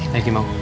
terima kasih bang